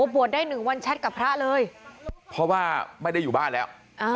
บวชได้หนึ่งวันแชทกับพระเลยเพราะว่าไม่ได้อยู่บ้านแล้ว